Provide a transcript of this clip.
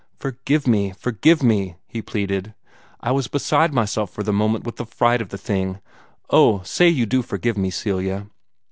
"Forgive me! Forgive me!" he pleaded. "I was beside myself for the moment with the fright of the thing. Oh, say you do forgive me, Celia!"